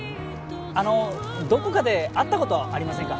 あのどこかで会ったことありませんか？